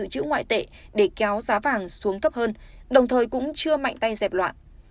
nói chứa ngoại tệ để kéo giá vàng xuống thấp hơn đồng thời cũng chưa mạnh tay dẹp loạn